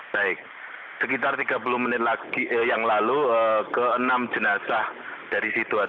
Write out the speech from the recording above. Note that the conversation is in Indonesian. baik sekitar tiga puluh menit yang lalu ke enam jenazah dari situ ada